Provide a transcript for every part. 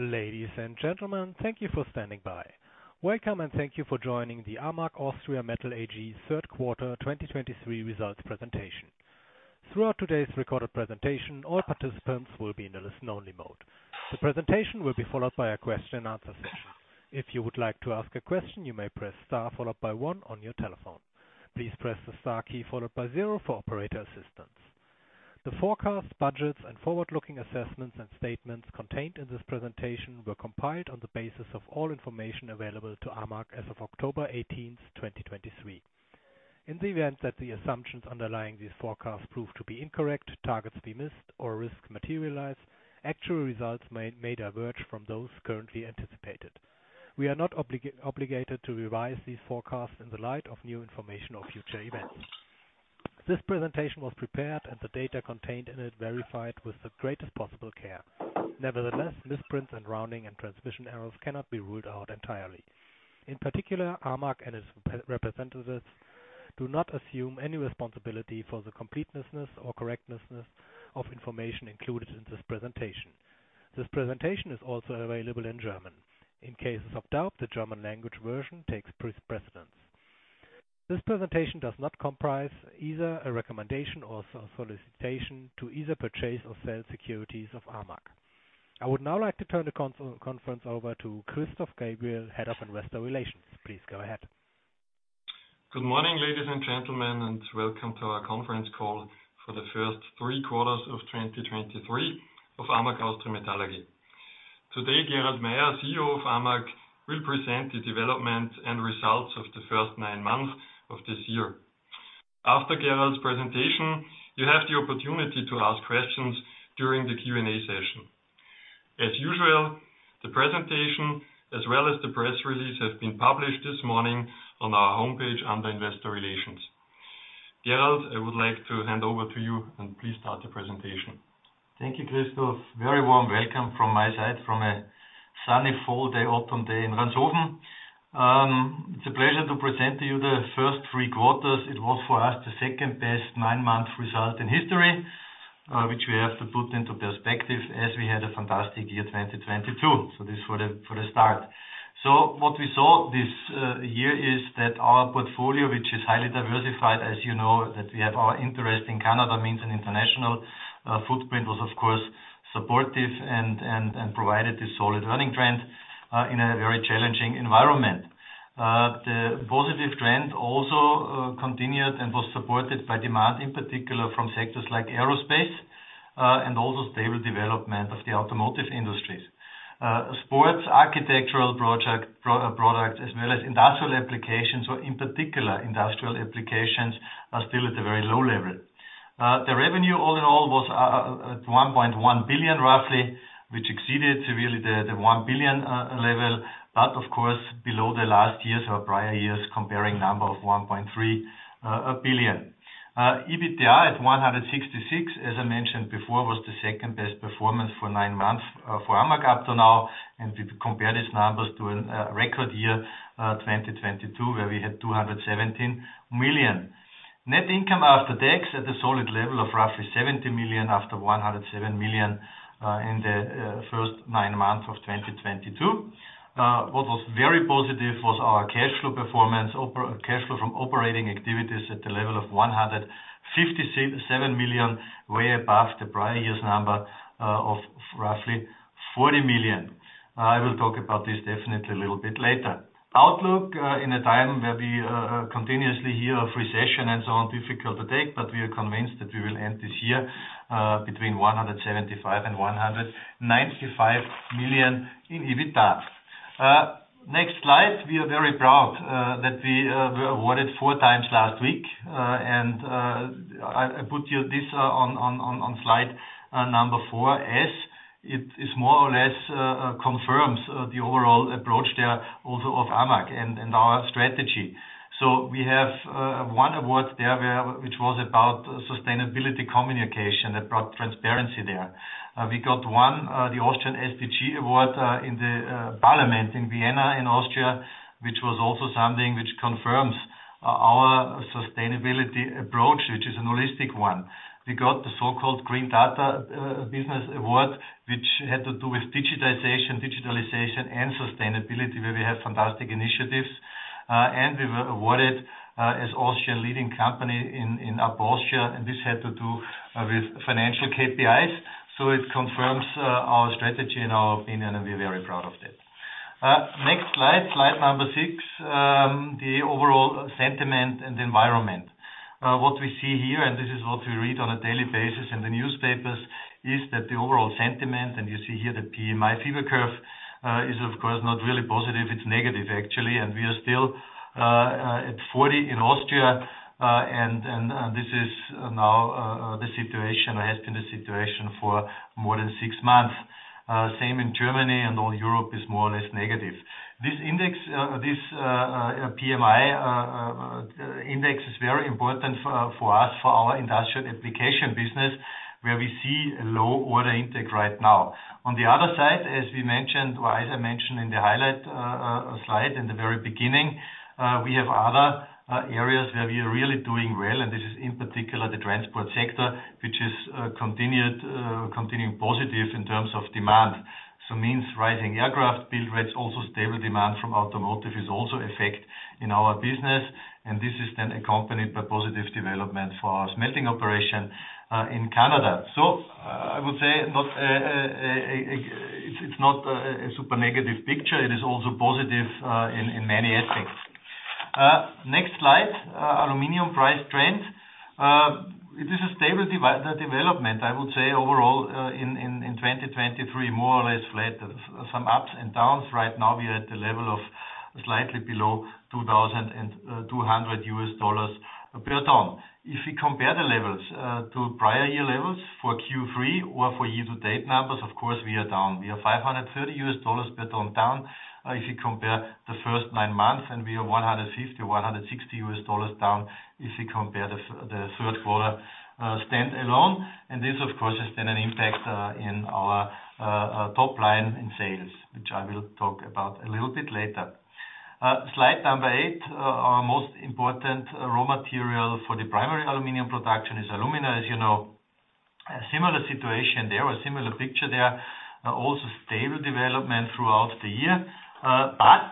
Ladies and gentlemen, thank you for standing by. Welcome, and thank you for joining the AMAG Austria Metall AG Q3 2023 results presentation. Throughout today's recorded presentation, all participants will be in a listen-only mode. The presentation will be followed by a question and answer session. If you would like to ask a question, you may press star followed by one on your telephone. Please press the star key followed by zero for operator assistance. The forecast, budgets and forward-looking assessments and statements contained in this presentation were compiled on the basis of all information available to AMAG as of October 18, 2023. In the event that the assumptions underlying these forecasts prove to be incorrect, targets be missed or risks materialize, actual results may diverge from those currently anticipated. We are not obligated to revise these forecasts in the light of new information or future events. This presentation was prepared and the data contained in it verified with the greatest possible care. Nevertheless, misprints and rounding and transmission errors cannot be ruled out entirely. In particular, AMAG and its representatives do not assume any responsibility for the completeness or correctness of information included in this presentation. This presentation is also available in German. In cases of doubt, the German language version takes precedence. This presentation does not comprise either a recommendation or solicitation to either purchase or sell securities of AMAG. I would now like to turn the conference over to Christoph Gabriel, Head of Investor Relations. Please go ahead. Good morning, ladies and gentlemen, and welcome to our conference call for the first three quarters of 2023 of AMAG Austria Metall AG. Today, Gerald Mayer, CEO of AMAG, will present the development and results of the first nine months of this year. After Gerald's presentation, you have the opportunity to ask questions during the Q&A session. As usual, the presentation as well as the press release has been published this morning on our homepage under Investor Relations. Gerald, I would like to hand over to you, and please start the presentation. Thank you, Christoph. Very warm welcome from my side, from a sunny, fall day, autumn day in Ranshofen. It's a pleasure to present to you the first three quarters. It was for us, the second best nine-month result in history, which we have to put into perspective as we had a fantastic year, 2022. So what we saw this year is that our portfolio, which is highly diversified, as you know, that we have our interest in Canada, means an international footprint, was of course, supportive and provided this solid earning trend in a very challenging environment. The positive trend also continued and was supported by demand, in particular from sectors like aerospace, and also stable development of the automotive industries. Aerospace, architectural products as well as industrial applications, or in particular, industrial applications, are still at a very low level. The revenue all in all was at 1.1 billion, roughly, which really exceeded the 1 billion level, but of course, below the last year's or prior years comparing number of 1.3 billion. EBITDA at 166 million, as I mentioned before, was the second best performance for nine months for AMAG up to now. And we compare these numbers to a record year, 2022, where we had 217 million. Net income after tax at a solid level of roughly 70 million, after 107 million in the first nine months of 2022. What was very positive was our cash flow performance, cash flow from operating activities at the level of 157 million, way above the prior year's number of roughly 40 million. I will talk about this definitely a little bit later. Outlook, in a time where we continuously hear of recession and so on, difficult to take, but we are convinced that we will end this year between 175 million and 195 million in EBITDA. Next slide. We are very proud that we were awarded four times last week. I put you this on slide number four, as it is more or less confirms the overall approach there also of AMAG and our strategy. So we have one award there which was about sustainability communication, that brought transparency there. We got one, the Austrian SDG Award, in the parliament in Vienna, in Austria, which was also something which confirms our sustainability approach, which is an holistic one. We got the so-called Green Data Business Award, which had to do with digitization, digitalization, and sustainability, where we have fantastic initiatives, and we were awarded as Austrian Leading Company in Upper Austria, and this had to do with financial KPIs. So it confirms our strategy in our opinion, and we're very proud of that. Next slide, slide number six. The overall sentiment and environment. What we see here, and this is what we read on a daily basis in the newspapers, is that the overall sentiment, and you see here, the PMI fever curve, is of course, not really positive. It's negative, actually, and we are still at 40 in Austria, and this is now the situation or has been the situation for more than six months. Same in Germany, and all Europe is more or less negative. This index, this PMI index is very important for us, for our industrial application business, where we see a low order intake right now. On the other side, as we mentioned, or as I mentioned in the highlight slide in the very beginning. We have other areas where we are really doing well, and this is in particular the transport sector, which is continuing positive in terms of demand. So means rising aircraft build rates, also stable demand from automotive is also effect in our business, and this is then accompanied by positive development for our smelting operation in Canada. So I would say not, it's not a super negative picture. It is also positive in many aspects. Next slide, aluminum price trend. It is a stable development, I would say overall in 2023, more or less flat, some ups and downs. Right now, we are at the level of slightly below $2,200 per ton. If you compare the levels to prior year levels for Q3 or for year-to-date numbers, of course, we are down. We are $530 per ton down. If you compare the first 9 months, and we are $150-$160 down, if you compare Q3 standalone. And this, of course, has been an impact in our top line in sales, which I will talk about a little bit later. Slide number eight, our most important raw material for the primary aluminum production is alumina, as you know. A similar situation there, a similar picture there, also stable development throughout the year, but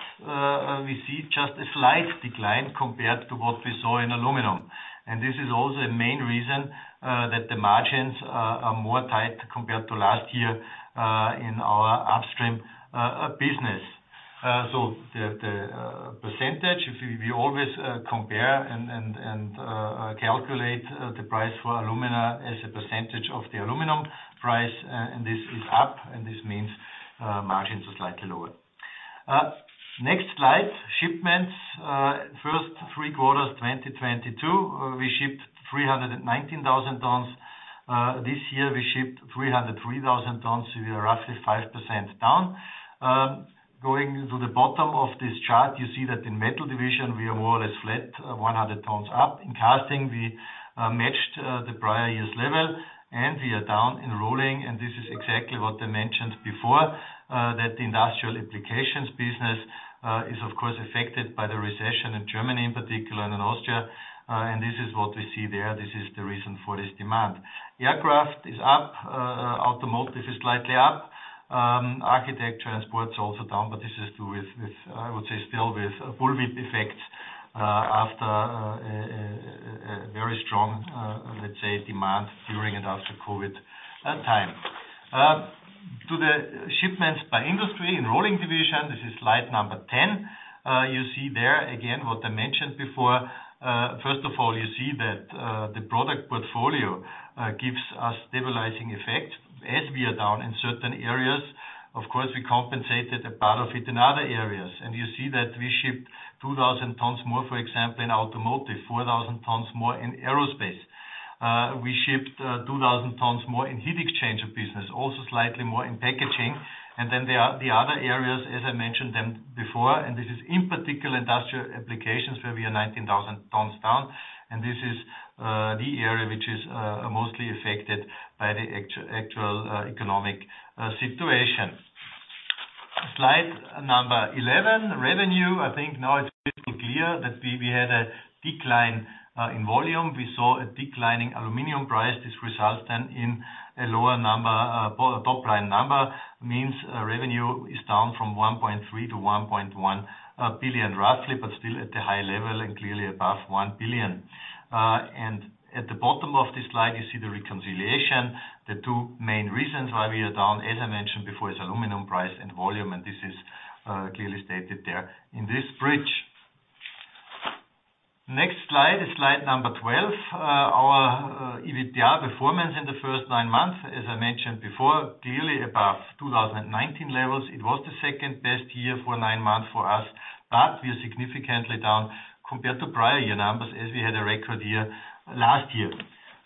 we see just a slight decline compared to what we saw in aluminum. And this is also a main reason that the margins are more tight compared to last year in our upstream business. So the percentage, if we always compare and calculate the price for alumina as a percentage of the aluminum price, and this is up, and this means margins are slightly lower. Next slide, shipments. First three quarters, 2022, we shipped 319,000 tons. This year, we shipped 303,000 tons, so we are roughly 5% down. Going to the bottom of this chart, you see that in metal division, we are more or less flat, 100 tons up. In casting, we matched the prior year's level, and we are down in rolling, and this is exactly what I mentioned before, that the industrial applications business is of course affected by the recession in Germany, in particular, and in Austria. And this is what we see there. This is the reason for this demand. Aircraft is up, automotive is slightly up, architecture and sports also down, but this is to with, with, I would say, still with bullwhip effects, after a very strong, let's say, demand during and after COVID time. To the shipments by industry in Rolling Division, this is slide number 10. You see there, again, what I mentioned before. First of all, you see that the product portfolio gives a stabilizing effect as we are down in certain areas. Of course, we compensated a part of it in other areas, and you see that we shipped 2,000 tons more, for example, in automotive, 4,000 tons more in aerospace. We shipped 2,000 tons more in heat exchanger business, also slightly more in packaging. And then there are the other areas, as I mentioned them before, and this is in particular, industrial applications, where we are 19,000 tons down. And this is the area which is mostly affected by the actual economic situation. Slide number 11, revenue. I think now it's pretty clear that we had a decline in volume. We saw a declining aluminum price. This results then in a lower number, top line number, means revenue is down from 1.3 billion to 1.1 billion, roughly, but still at the high level and clearly above 1 billion. And at the bottom of this slide, you see the reconciliation. The two main reasons why we are down, as I mentioned before, is aluminum price and volume, and this is, clearly stated there in this bridge. Next slide is slide number 12. Our EBITDA performance in the first nine months, as I mentioned before, clearly above 2019 levels. It was the second best year for nine months for us, but we are significantly down compared to prior year numbers, as we had a record year, last year.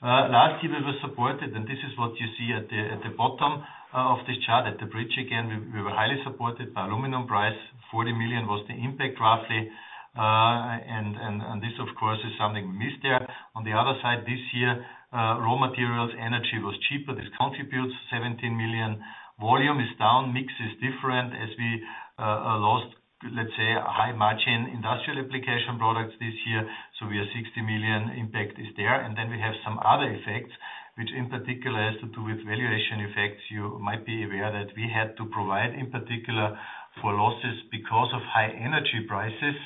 Last year, we were supported, and this is what you see at the bottom of this chart, at the bridge again. We were highly supported by aluminum price. 40 million was the impact, roughly, and this, of course, is something we missed there. On the other side, this year, raw materials, energy was cheaper. This contributes 17 million. Volume is down, mix is different as we lost, let's say, high margin industrial application products this year, so we are 60 million impact is there. And then we have some other effects, which in particular has to do with valuation effects. You might be aware that we had to provide, in particular, for losses because of high energy prices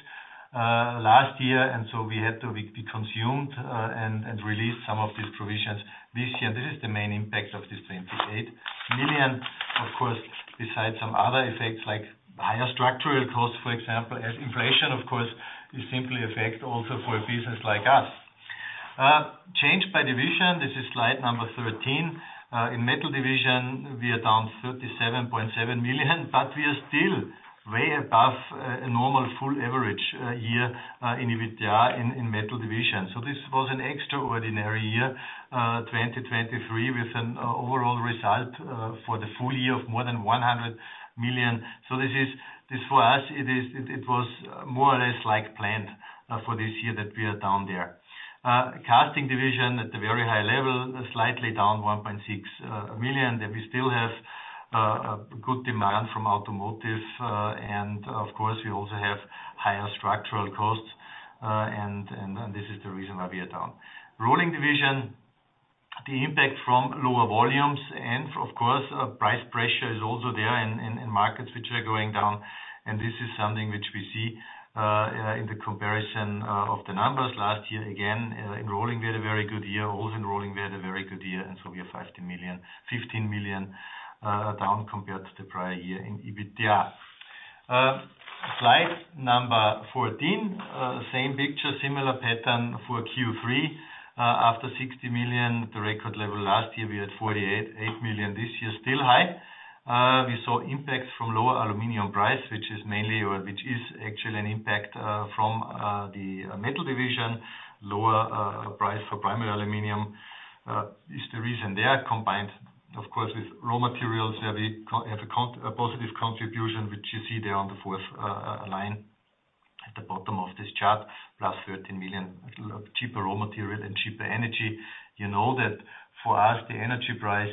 last year, and so we had to be consumed and release some of these provisions this year. This is the main impact of this 28 million. Of course, besides some other effects, like higher structural costs, for example, as inflation, of course, is simply affect also for a business like us. Change by division, this is slide number 13. In metal division, we are down 37.7 million, but we are still way above a normal full average year in EBITDA in metal division. So this was an extraordinary year, 2023, with an overall result for the full year of more than 100 million. So this is—this for us, it is, it, it was more or less like planned for this year that we are down there. Casting division at a very high level, slightly down 1.6 million, that we still have...... A good demand from automotive, and of course, we also have higher structural costs, and this is the reason why we are down. Rolling division, the impact from lower volumes and of course, price pressure is also there in markets which are going down, and this is something which we see in the comparison of the numbers last year. Again, in rolling, we had a very good year. Also in rolling, we had a very good year, and so we are 15 million down compared to the prior year in EBITDA. Slide number 14, same picture, similar pattern for Q3. After 60 million, the record level last year, we had 48.8 million this year, still high. We saw impacts from lower aluminum price, which is mainly or which is actually an impact from the metal division. Lower price for primary aluminum is the reason there, combined, of course, with raw materials, where we have a positive contribution, which you see there on the fourth line at the bottom of this chart, plus 13 million cheaper raw material and cheaper energy. You know that for us, the energy price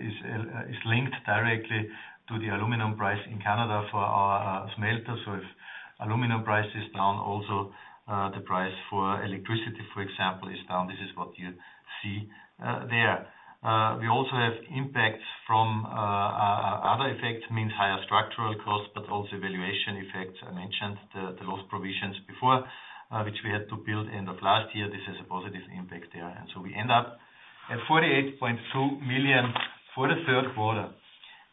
is linked directly to the aluminum price in Canada for our smelter. So if aluminum price is down, also the price for electricity, for example, is down. This is what you see there. We also have impacts from other effects, means higher structural costs, but also valuation effects. I mentioned the loss provisions before, which we had to build end of last year. This is a positive impact there. And so we end up at 48.2 million for Q3.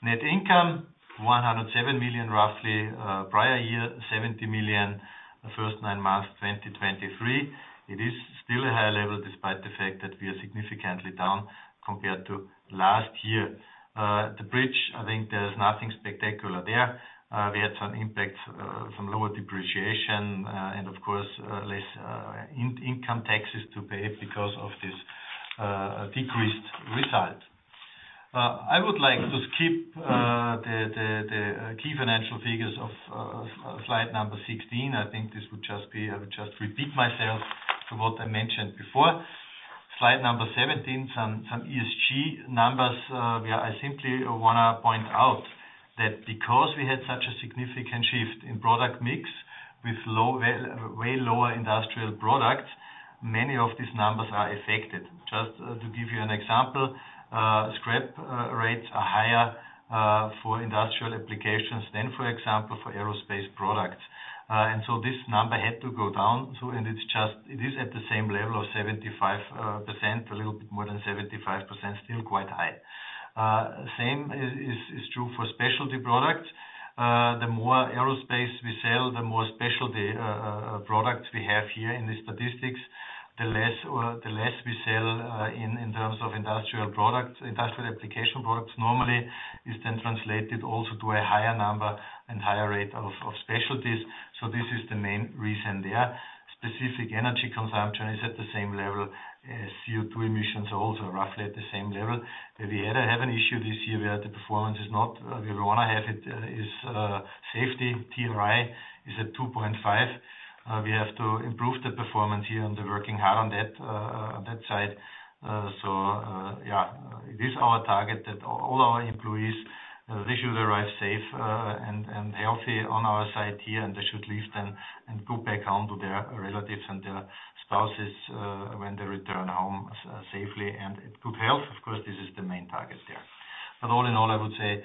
Net income, 107 million, roughly, prior year, 70 million, the first nine months, 2023. It is still a high level, despite the fact that we are significantly down compared to last year. The bridge, I think there's nothing spectacular there. We had some impacts from lower depreciation and of course less income taxes to pay because of this decreased result. I would like to skip the key financial figures of slide number 16. I think this would just be, I would just repeat myself to what I mentioned before. Slide number 17, some ESG numbers, where I simply wanna point out that because we had such a significant shift in product mix with low, way, way lower industrial products, many of these numbers are affected. Just to give you an example, scrap rates are higher for industrial applications than, for example, for aerospace products. And so this number had to go down, so and it's just. It is at the same level of 75%, a little bit more than 75%, still quite high. Same is true for specialty products. The more aerospace we sell, the more specialty products we have here in the statistics, the less or the less we sell in terms of industrial products. Industrial application products normally is then translated also to a higher number and higher rate of, of specialties. So this is the main reason there. Specific energy consumption is at the same level as CO₂ emissions, also roughly at the same level. Where we had to have an issue this year, where the performance is not, we wanna have it, is, safety. TRI is at 2.5. We have to improve the performance here, and they're working hard on that, on that side. So, yeah, it is our target that all our employees, they should arrive safe, and, and healthy on our site here, and they should leave then and go back home to their relatives and their spouses, when they return home, safely and in good health. Of course, this is the main target there. But all in all, I would say,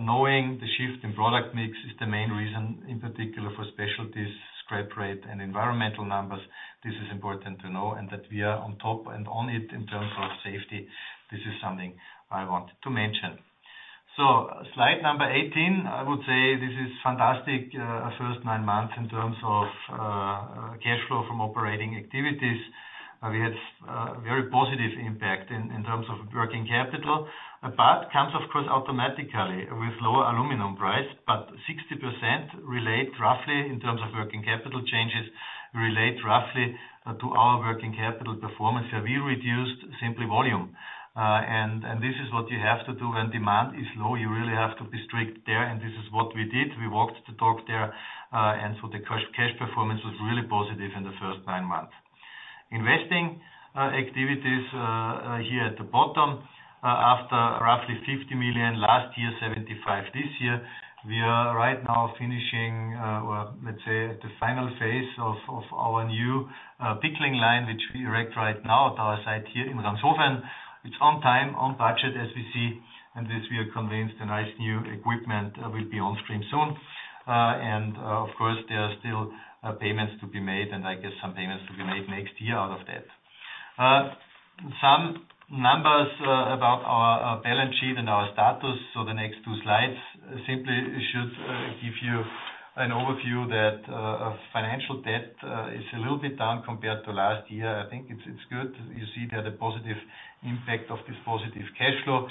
knowing the shift in product mix is the main reason, in particular for specialties, scrap rate, and environmental numbers. This is important to know, and that we are on top and on it in terms of safety. This is something I wanted to mention. So slide number 18, I would say this is fantastic, first nine months in terms of cash flow from operating activities. We had very positive impact in terms of working capital, but comes, of course, automatically with lower aluminum price, but 60% relate roughly in terms of working capital changes to our working capital performance, where we reduced simply volume. And this is what you have to do when demand is low. You really have to be strict there, and this is what we did. We walked the talk there, and so the cash, cash performance was really positive in the first 9 months. Investing activities here at the bottom, after roughly 50 million last year, 75 million this year, we are right now finishing, well, let's say, the final phase of our new pickling line, which we erect right now at our site here in Ranshofen. It's on time, on budget, as we see, and this we are convinced the nice new equipment will be on stream soon. And, of course, there are still payments to be made, and I guess some payments to be made next year out of that. Some numbers about our balance sheet and our status. So the next two slides simply should give you an overview that of financial debt is a little bit down compared to last year. I think it's, it's good. You see there the positive impact of this positive cash flow.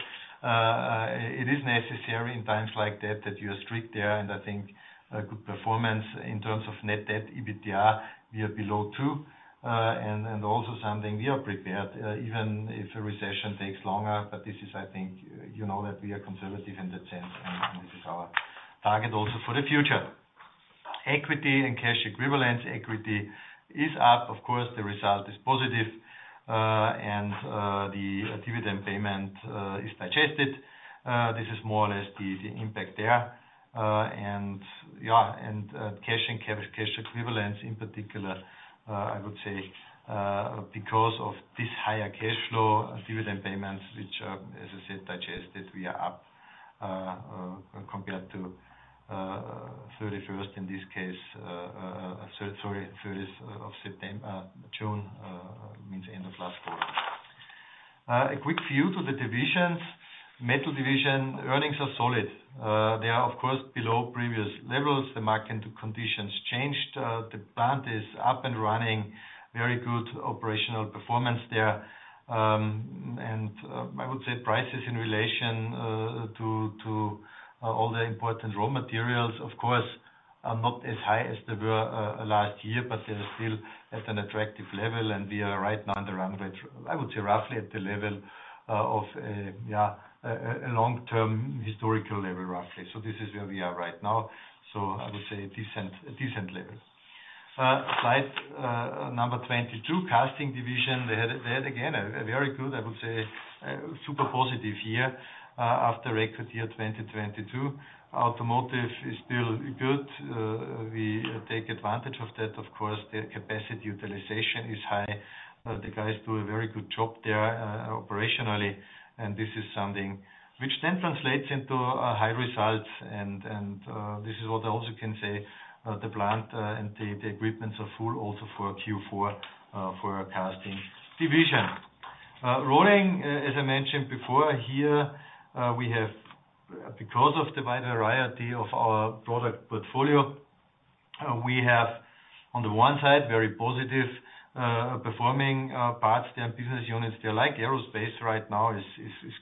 It is necessary in times like that, that you are strict there, and I think a good performance in terms of net debt, EBITDA, we are below two, and also something we are prepared even if a recession takes longer, but this is, I think, you know, that we are conservative in that sense, and this is our target also for the future. Equity and cash equivalents, equity is up. Of course, the result is positive, and the dividend payment is digested. This is more or less the, the impact there. Yeah, and cash and cash equivalents in particular, I would say, because of this higher cash flow, dividend payments, which, as I said, digested, we are up compared to 31st in this case, sorry, 30th of June, means end of last quarter. A quick view to the divisions. Metal division, earnings are solid. They are, of course, below previous levels. The market conditions changed. The plant is up and running, very good operational performance there. And I would say prices in relation to all the important raw materials, of course, are not as high as they were last year, but they are still at an attractive level, and we are right now in the run rate, I would say, roughly at the level of yeah, a long-term historical level, roughly. So this is where we are right now. So I would say a decent level. Slide number 22, Casting Division. They had, again, a very good, I would say, super positive year after record year 2022. Automotive is still good. We take advantage of that, of course, the capacity utilization is high. The guys do a very good job there operationally, and this is something which then translates into a high results, and this is what I also can say, the plant and the equipments are full also for Q4 for our Casting Division. Rolling, as I mentioned before, here we have, because of the wide variety of our product portfolio, we have, on the one side, very positive performing parts their business units. They're like, aerospace right now is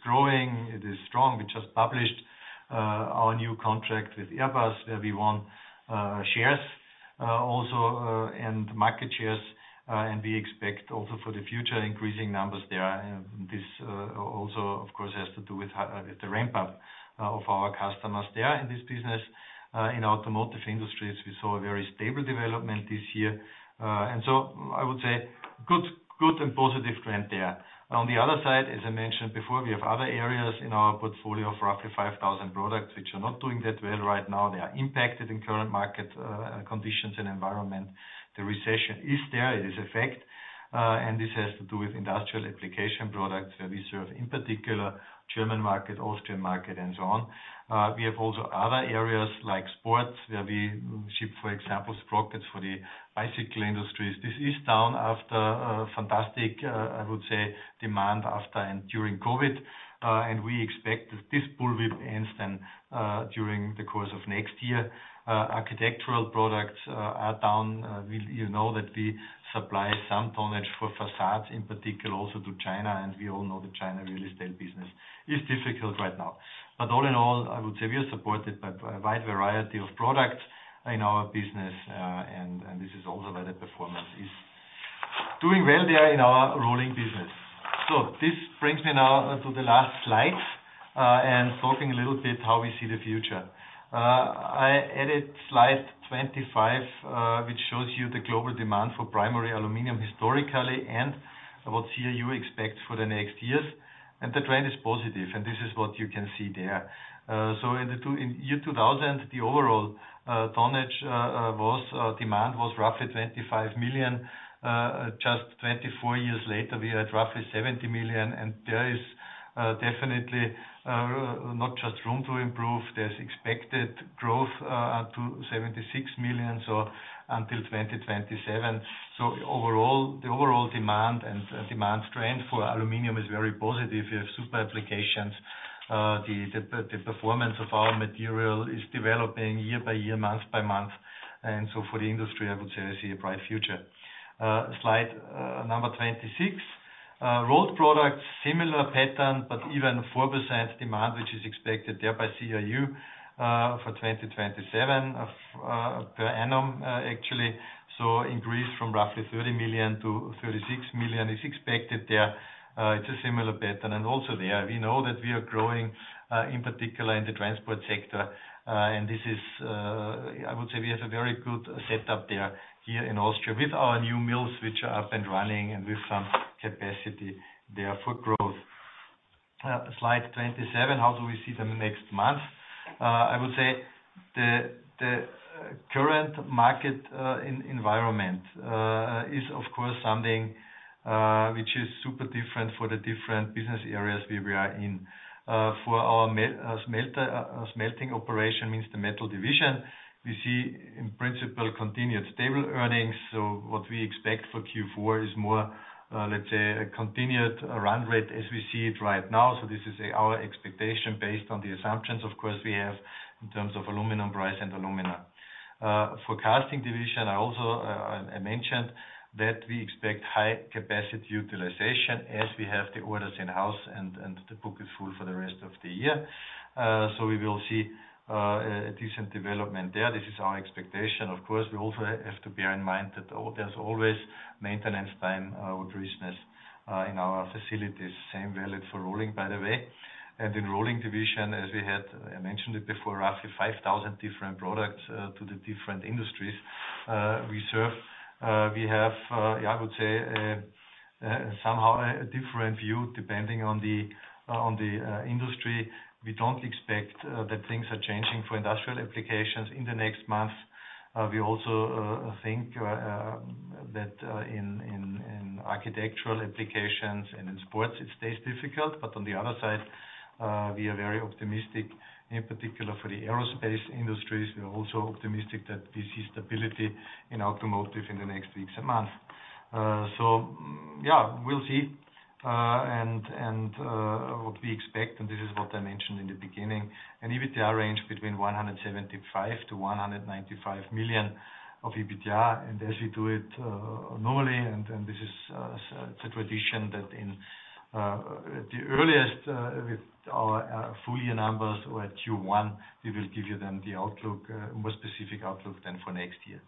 growing, it is strong. We just published our new contract with Airbus, where we won shares also and market shares, and we expect also for the future, increasing numbers there. And this also, of course, has to do with the ramp up of our customers there in this business. In automotive industries, we saw a very stable development this year. And so I would say, good, good and positive trend there. On the other side, as I mentioned before, we have other areas in our portfolio of roughly 5,000 products, which are not doing that well right now. They are impacted in current market conditions and environment. The recession is there, it is a fact, and this has to do with industrial application products, where we serve, in particular, German market, Austrian market, and so on. We have also other areas like sports, where we ship, for example, sprockets for the bicycle industries. This is down after a fantastic, I would say, demand after and during COVID, and we expect that this bull will end then, during the course of next year. Architectural products are down. You know that we supply some tonnage for facades, in particular, also to China, and we all know that China real estate business is difficult right now. But all in all, I would say we are supported by a wide variety of products in our business, and, and this is also why the performance is doing well there in our rolling business. So this brings me now to the last slide, and talking a little bit how we see the future. I added slide 25, which shows you the global demand for primary aluminum historically and what CRU expect for the next years, and the trend is positive, and this is what you can see there. So in year 2000, the overall tonnage demand was roughly 25 million. Just 24 years later, we are at roughly 70 million, and there is definitely not just room to improve. There's expected growth up to 76 million, so until 2027. So overall, the overall demand and demand trend for aluminum is very positive. We have super applications. The performance of our material is developing year-by-year, month-by-month, and so for the industry, I would say, I see a bright future. Slide number 26, road products, similar pattern, but even 4% demand, which is expected there by CRU for 2027 per annum, actually. So increase from roughly 30 million to 36 million is expected there. It's a similar pattern, and also there, we know that we are growing in particular in the transport sector, and this is, I would say we have a very good setup there here in Austria with our new mills, which are up and running and with some capacity there for growth. Slide 27, how do we see the next months? I would say the current market environment is, of course, something which is super different for the different business areas we are in. For our smelter, smelting operation, means the metal division, we see in principle, continued stable earnings. So what we expect for Q4 is more, let's say, a continued run rate as we see it right now. So this is, our expectation based on the assumptions, of course, we have in terms of aluminum price and alumina. For Casting Division, I also mentioned that we expect high capacity utilization as we have the orders in-house and the book is full for the rest of the year. So we will see a decent development there. This is our expectation. Of course, we also have to bear in mind that there's always maintenance time, with business, in our facilities. Same valid for rolling, by the way. In rolling division, as we had, I mentioned it before, roughly 5,000 different products to the different industries we serve. We have, I would say, somehow a different view, depending on the industry. We don't expect that things are changing for industrial applications in the next months. We also think that in architectural applications and in sports, it stays difficult. But on the other side, we are very optimistic, in particular for the aerospace industries. We are also optimistic that we see stability in automotive in the next weeks and months. So, yeah, we'll see, and what we expect, and this is what I mentioned in the beginning, an EBITDA range between 175-195 million of EBITDA. As we do it normally, and this is a tradition that in the earliest with our full year numbers or at Q1, we will give you then the outlook, more specific outlook than for next year.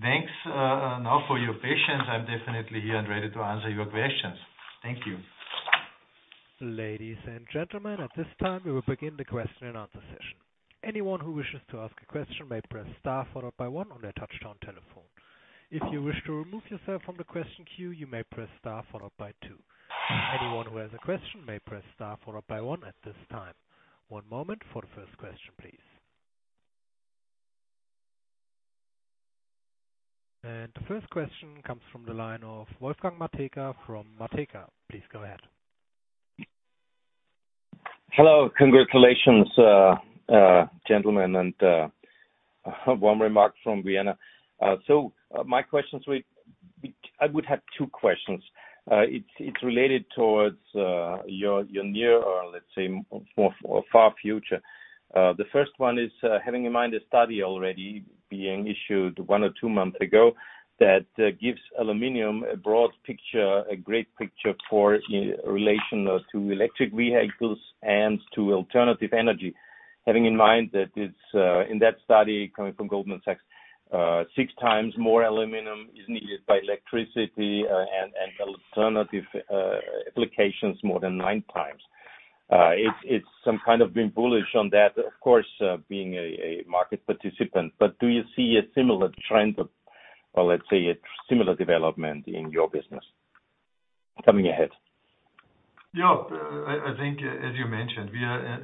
Thanks now for your patience. I'm definitely here and ready to answer your questions. Thank you. Ladies and gentlemen, at this time, we will begin the question and answer session. Anyone who wishes to ask a question may press star followed by one on their touchtone telephone. If you wish to remove yourself from the question queue, you may press star followed by two. Anyone who has a question may press star followed by one at this time. One moment for the first question, please. The first question comes from the line of Wolfgang Matejka from Matejka. Please go ahead. Hello, congratulations, gentlemen, and one remark from Vienna. So, my questions will—I would have two questions. It's related towards your near or, let's say, more far future. The first one is, having in mind a study already being issued one or two months ago, that gives aluminum a broad picture, a great picture for in relation to electric vehicles and to alternative energy. Having in mind that it's in that study coming from Goldman Sachs, six times more aluminum is needed by electricity and alternative applications, more than nine times. It's some kind of being bullish on that, of course, being a market participant, but do you see a similar trend of, or let's say, a similar development in your business coming ahead? Yeah, I, I think as you mentioned, we are...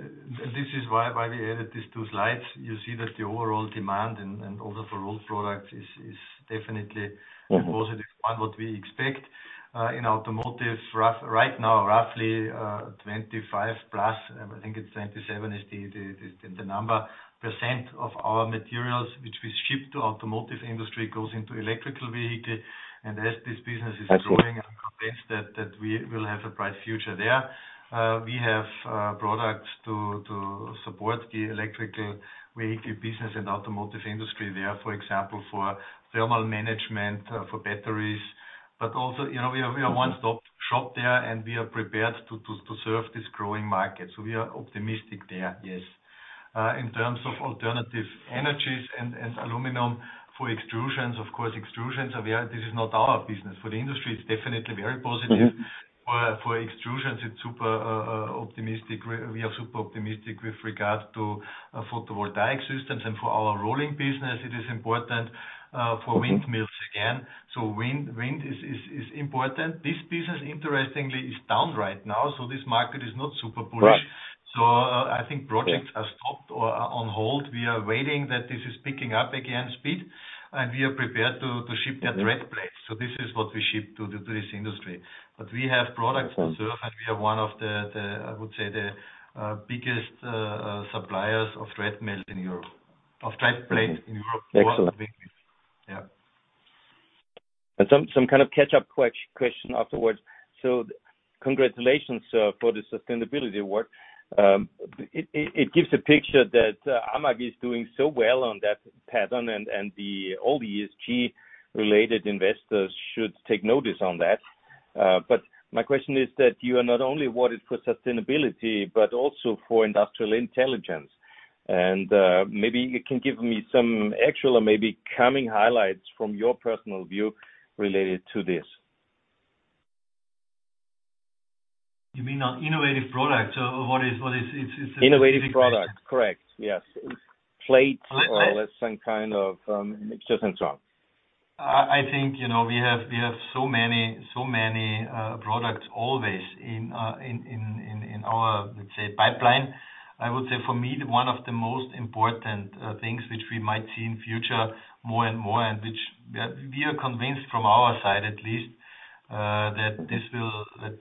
This is why, why we added these two slides. You see that the overall demand and, and also for roll products is, is definitely- Mm-hmm. positive on what we expect in automotive. Right now, roughly, 25%+, I think it's 27%, is the number, of our materials, which we ship to automotive industry, goes into electric vehicle. And as this business is growing- Absolutely. I'm convinced that we will have a bright future there. We have products to support the electric vehicle business and automotive industry there, for example, for thermal management, for batteries, but also, you know, we are- We are a one-stop shop there, and we are prepared to serve this growing market. So we are optimistic there, yes. In terms of alternative energies and aluminum for extrusions, of course, extrusions are. We are - this is not our business. For the industry, it's definitely very positive. For extrusions, it's super optimistic. We are super optimistic with regard to photovoltaic systems and for our rolling business, it is important, Mm-hmm. for windmills again. So wind is important. This business, interestingly, is down right now, so this market is not super bullish. Right. I think projects- Yeah. are stopped or are on hold. We are waiting that this is picking up again, speed, and we are prepared to ship their tread plates. Mm-hmm. So this is what we ship to this industry. But we have products to serve- Okay. we are one of the, I would say, the biggest suppliers of tread mills in Europe, of tread plate in Europe. Excellent. Yeah. Some kind of catch-up question afterwards. So congratulations for the sustainability work. It gives a picture that AMAG is doing so well on that pattern, and all the ESG related investors should take notice on that. But my question is that you are not only awarded for sustainability, but also for industrial intelligence. Maybe you can give me some actual or maybe coming highlights from your personal view related to this. You mean on innovative products or what is it? It's- Innovative product, correct. Yes. Plates or let's say, some kind of, mixture and so on. I think, you know, we have so many products always in our, let's say, pipeline. I would say for me, one of the most important things which we might see in future more and more, and which we are convinced from our side at least, that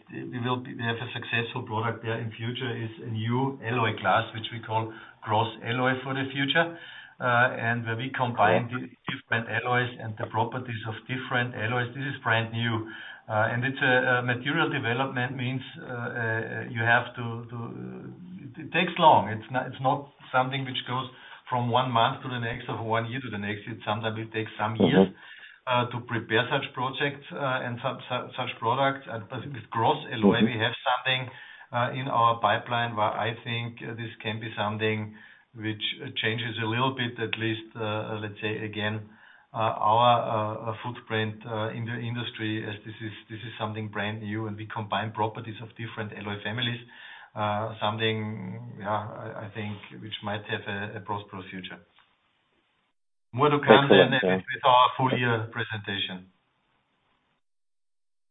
we have a successful product there in future, is a new alloy class, which we call CrossAlloy for the future. And where we combine- Okay. The different alloys and the properties of different alloys, this is brand new, and it's a material development means you have to. It takes long. It's not, it's not something which goes from one month to the next, or one year to the next. It sometimes will take some years. Mm-hmm. to prepare such projects and such products. But with CrossAlloy- Mm-hmm. We have something in our pipeline, where I think this can be something which changes a little bit, at least, let's say again, our footprint in the industry, as this is, this is something brand new, and we combine properties of different alloy families. Something, yeah, I, I think, which might have a prosperous future. More to come. Excellent. with our full year presentation.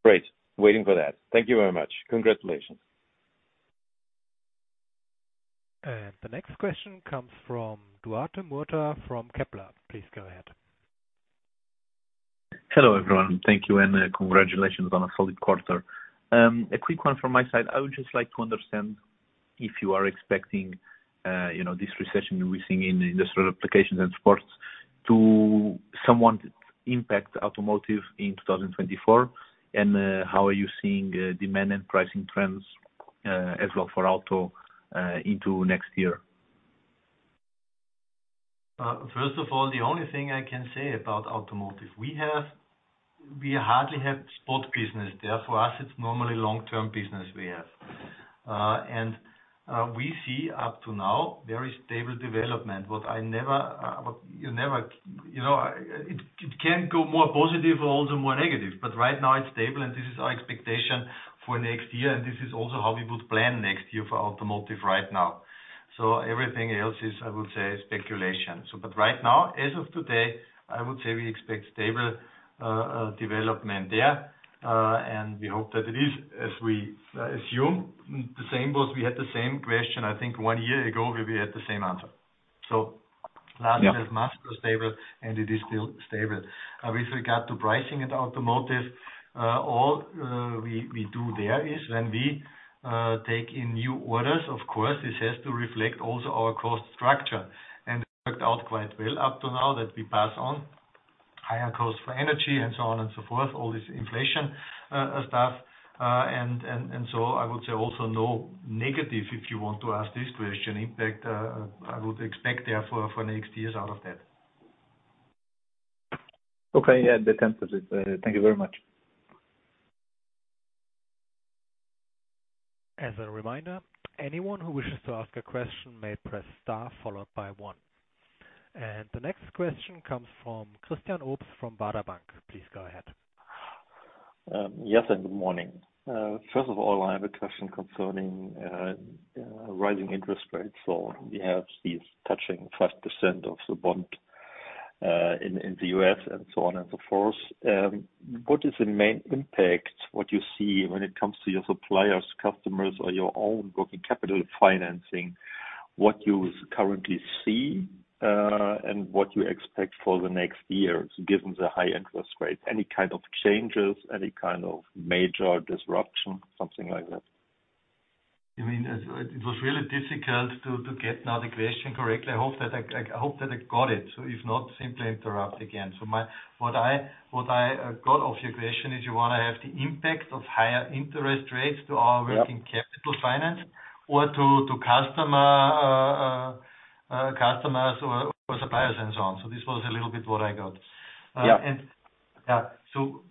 Great. Waiting for that. Thank you very much. Congratulations.... And the next question comes from Duarte Murta from Kepler. Please go ahead. Hello, everyone. Thank you, and, congratulations on a solid quarter. A quick one from my side. I would just like to understand if you are expecting, you know, this recession we're seeing in the industrial applications and sports to somewhat impact automotive in 2024, and, how are you seeing, demand and pricing trends, as well for auto, into next year? First of all, the only thing I can say about automotive, we have, we hardly have spot business. Therefore, it's normally long-term business we have. And we see up to now very stable development. What you never know, it can go more positive or also more negative, but right now it's stable, and this is our expectation for next year, and this is also how we would plan next year for automotive right now. So everything else is, I would say, speculation. So, but right now, as of today, I would say we expect stable development there, and we hope that it is, as we assume, the same as we had the same question, I think, one year ago, where we had the same answer. So- Yeah. Last year it was stable, and it is still stable. With regard to pricing at automotive, all we do there is when we take in new orders, of course, this has to reflect also our cost structure, and it worked out quite well up to now that we pass on higher costs for energy and so on and so forth, all this inflation stuff. And so I would say also no negative, if you want to ask this question, impact I would expect therefore for next years out of that. Okay, yeah, that answers it. Thank you very much. As a reminder, anyone who wishes to ask a question may press star followed by one. The next question comes from Christian Obst from Baader Bank. Please go ahead. Yes, and good morning. First of all, I have a question concerning rising interest rates. So we have these touching 5% of the bond in the U.S. and so on and so forth. What is the main impact, what you see when it comes to your suppliers, customers, or your own working capital financing, what you currently see, and what you expect for the next years, given the high interest rates? Any kind of changes, any kind of major disruption, something like that? You mean, it was really difficult to get now the question correctly. I hope that I got it. So if not, simply interrupt again. So my-- what I got of your question is you want to have the impact of higher interest rates to our working- Yeah... capital finance or to customers or suppliers and so on. So this was a little bit what I got. Yeah. And, yeah. So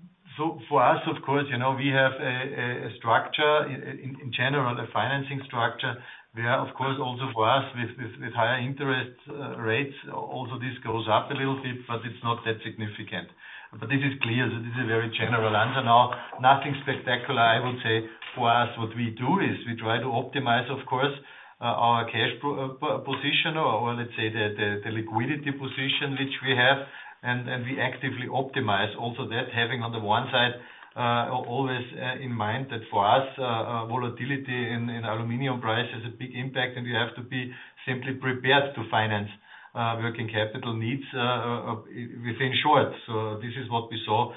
for us, of course, you know, we have a structure, in general, a financing structure, where, of course, also for us, with higher interest rates, also, this goes up a little bit, but it's not that significant. But this is clear that this is a very general answer. Now, nothing spectacular, I would say, for us, what we do is we try to optimize, of course, our cash position, or let's say, the liquidity position, which we have, and we actively optimize also that, having on the one side, always, in mind, that for us, volatility in aluminum price has a big impact, and you have to be simply prepared to finance working capital needs within short. So this is what we saw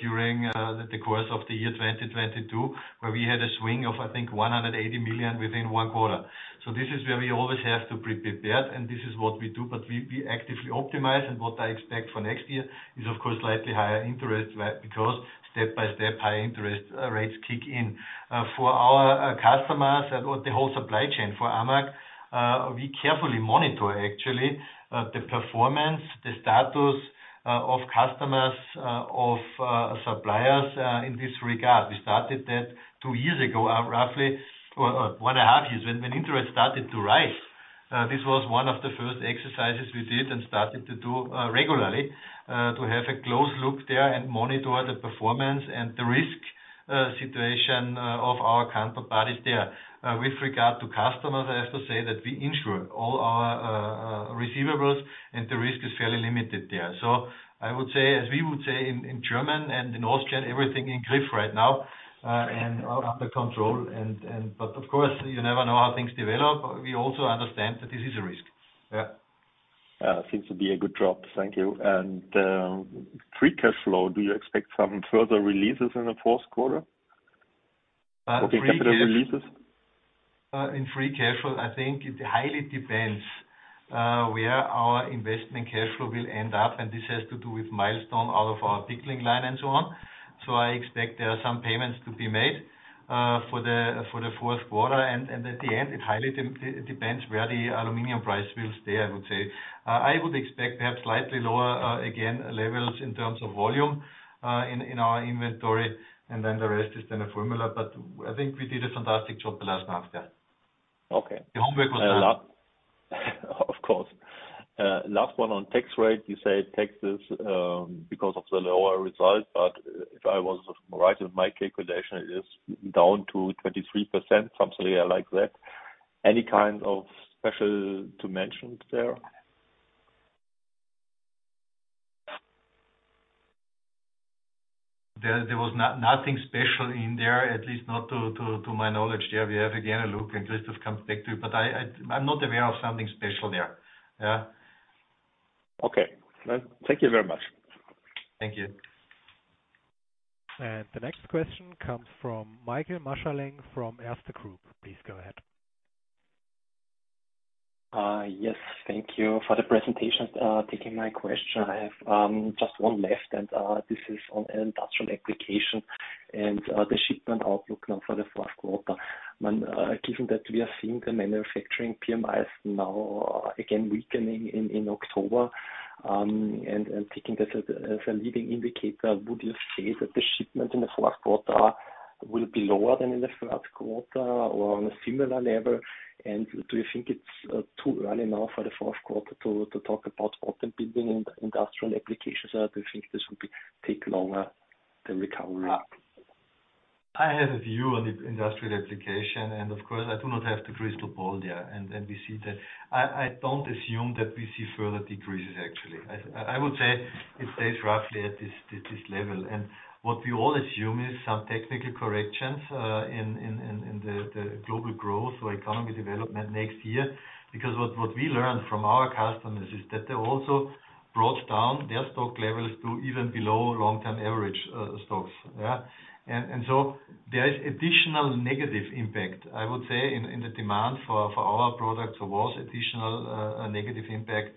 during the course of the year 2022, where we had a swing of, I think, 180 million within one quarter. So this is where we always have to be prepared, and this is what we do. But we actively optimize, and what I expect for next year is, of course, slightly higher interest rate, because step by step, high interest rates kick in. For our customers and the whole supply chain for AMAG, we carefully monitor actually the performance, the status of customers of suppliers in this regard. We started that two years ago, roughly, or one and a half years, when interest started to rise. This was one of the first exercises we did and started to do regularly to have a close look there and monitor the performance and the risk situation of our counterparties there. With regard to customers, I have to say that we insure all our receivables, and the risk is fairly limited there. So I would say, as we would say in German and in Austria, everything in grip right now and under control. But of course, you never know how things develop. We also understand that this is a risk. Yeah. Seems to be a good job. Thank you. Free cash flow, do you expect some further releases in the fourth quarter? Or capital releases. In free cash flow, I think it highly depends where our investment cash flow will end up, and this has to do with milestone out of our pickling line and so on. So I expect there are some payments to be made for Q4, and at the end, it highly depends where the aluminum price will stay, I would say. I would expect perhaps slightly lower again levels in terms of volume in our inventory, and then the rest is then a formula. But I think we did a fantastic job the last half year. Okay. The homework was done. Of course. Last one on tax rate. You said taxes, because of the lower result, but if I was right in my calculation, it is down to 23%, something like that. Any kind of special to mention there?... There was nothing special in there, at least not to my knowledge. Yeah, we have again a look, and just come back to you, but I'm not aware of something special there. Yeah. Okay. Well, thank you very much. Thank you. The next question comes from Michael Marschallinger from Erste Group. Please go ahead. Yes, thank you for the presentation. Taking my question, I have just one left, and this is on industrial application and the shipment outlook now for Q1. When, given that we are seeing the manufacturing PMIs now, again, weakening in October, and taking this as a leading indicator, would you say that the shipment in Q4 will be lower than in Q3 or on a similar level? And do you think it's too early now for Q4 to talk about bottom building and industrial applications? Or do you think this would be take longer, the recovery? I have a view on the industrial application, and of course, I do not have the crystal ball there. And we see that. I don't assume that we see further decreases, actually. I would say it stays roughly at this level. And what we all assume is some technical corrections in the global growth or economy development next year. Because what we learned from our customers is that they also brought down their stock levels to even below long-term average stocks. Yeah. And so there is additional negative impact, I would say, in the demand for our products. There was additional a negative impact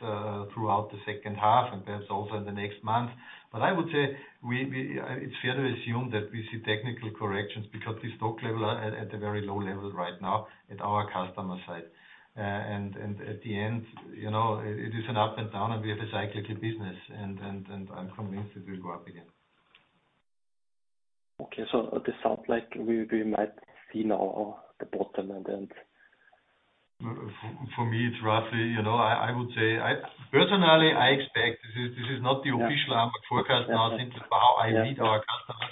throughout the second half and perhaps also in the next month. But I would say we, it's fair to assume that we see technical corrections because the stock level are at a very low level right now at our customer side. And at the end, you know, it is an up and down, and we have a cyclical business, and I'm convinced it will go up again. Okay. So this sounds like we might see now the bottom, and then- For me, it's roughly, you know, I would say personally, I expect, this is not the official forecast. Now, think about how I meet our customers.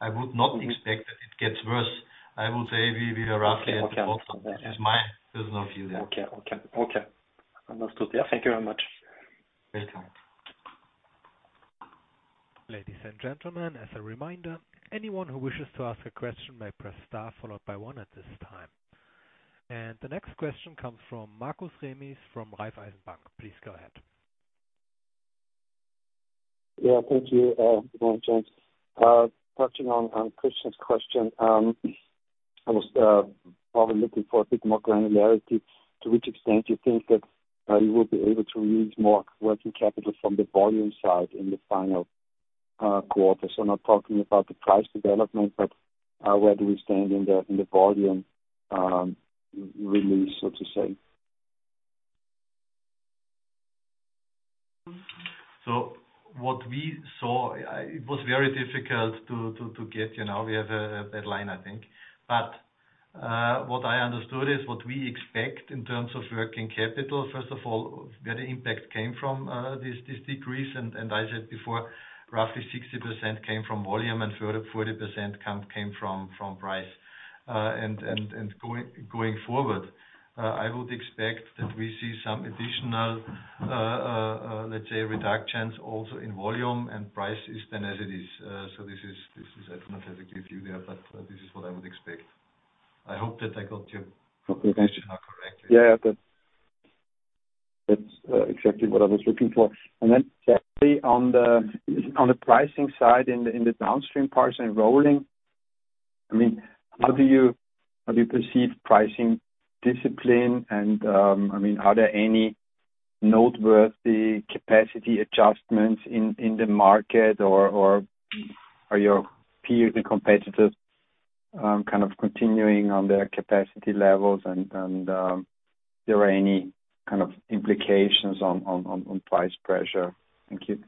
I would not expect that it gets worse. I would say we are roughly at the bottom. Okay. It's my personal view there. Okay. Okay. Okay. Understood. Yeah. Thank you very much. Anytime. Ladies and gentlemen, as a reminder, anyone who wishes to ask a question may press star, followed by one at this time. The next question comes from Markus Remis, from Raiffeisenbank. Please go ahead. Yeah, thank you. Good morning, Gerald. Touching on Christian's question, I was probably looking for a bit more granularity, to which extent you think that you will be able to release more working capital from the volume side in the final quarter. So I'm not talking about the price development, but where do we stand in the volume release, so to say? So what we saw, it was very difficult to get, you know, we have a deadline, I think. But, what I understood is what we expect in terms of working capital. First of all, where the impact came from, this decrease, and I said before, roughly 60% came from volume and 40% came from price. And going forward, I would expect that we see some additional, let's say, reductions also in volume and price as it is. So this is, I cannot give you there, but this is what I would expect. I hope that I got your- Okay, thanks. Question now correctly. Yeah, that's exactly what I was looking for. And then, secondly, on the pricing side, in the downstream parts and rolling, I mean, how do you perceive pricing discipline? And, I mean, are there any noteworthy capacity adjustments in the market, or are your peers and competitors kind of continuing on their capacity levels and there are any kind of implications on price pressure? Thank you.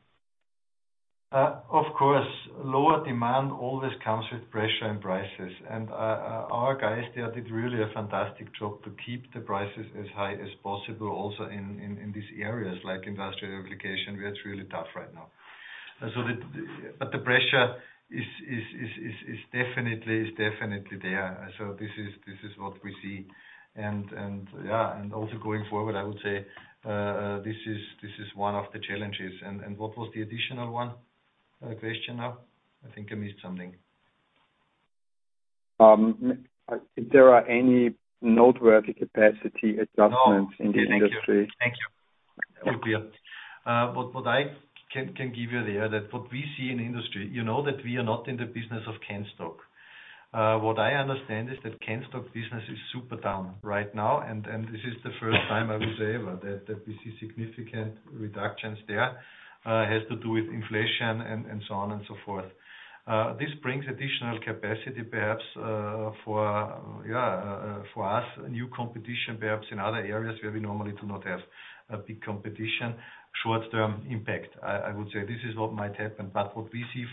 Of course, lower demand always comes with pressure and prices, and our guys there did really a fantastic job to keep the prices as high as possible, also in these areas like industrial application, where it's really tough right now. But the pressure is definitely there. So this is what we see. And yeah, also going forward, I would say, this is one of the challenges. And what was the additional one, question now? I think I missed something. If there are any noteworthy capacity adjustments- No. in the industry? Thank you. Thank you. What I can give you there, that what we see in the industry, you know, that we are not in the business of can stock. What I understand is that can stock business is super down right now, and this is the first time I would say ever, that we see significant reductions there. Has to do with inflation and so on and so forth. This brings additional capacity, perhaps, for us, new competition, perhaps in other areas where we normally do not have a big competition. Short-term impact, I would say this is what might happen, but what we see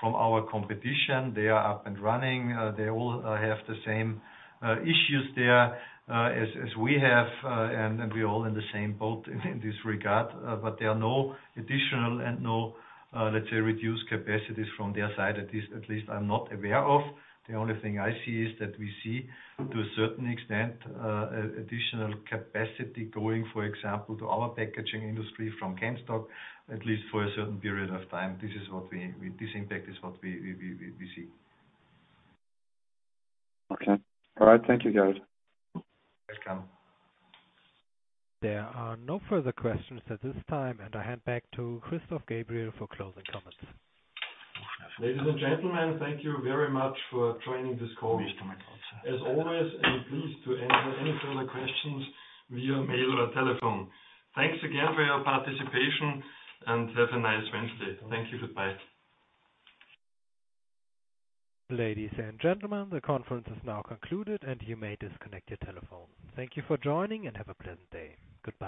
from our competition, they are up and running. They all have the same issues there as we have, and we're all in the same boat in this regard. But there are no additional and no, let's say, reduced capacities from their side, at least I'm not aware of. The only thing I see is that we see, to a certain extent, additional capacity going, for example, to our packaging industry from can stock, at least for a certain period of time. This is what we—this impact is what we see. Okay. All right. Thank you, Gerald. Welcome. There are no further questions at this time, and I hand back to Christoph Gabriel for closing comments. Ladies and gentlemen, thank you very much for joining this call. As always, I'm pleased to answer any further questions via mail or telephone. Thanks again for your participation, and have a nice Wednesday. Thank you. Goodbye. Ladies and gentlemen, the conference is now concluded, and you may disconnect your telephone. Thank you for joining and have a pleasant day. Goodbye.